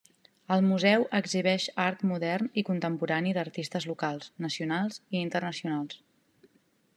El museu exhibeix art modern i contemporani d'artistes locals, nacionals i internacionals.